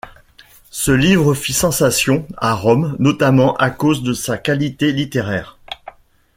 Ce livre fit sensation à Rome notamment à cause de sa qualité littéraire.